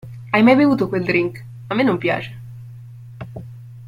Hai mai bevuto quel drink? A me non piace.